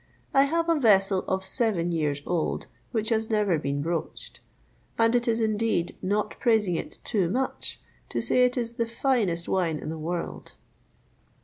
I have a vessel of seven years old, which has never been broached; and it is indeed not praising it too much to say it is the finest wine in the world.